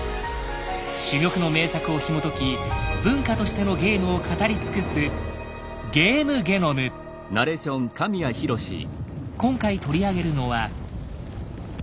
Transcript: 珠玉の名作をひもとき文化としてのゲームを語り尽くす今回取り上げるのは。